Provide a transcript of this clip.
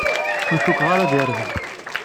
Ur cukkeɣ ara ad yerbeḥ.